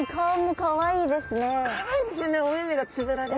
かわいいですよねお目々がつぶらで。